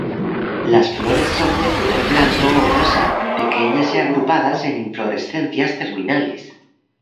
Las flores son de color blanco o rosa, pequeñas y agrupadas en inflorescencias terminales.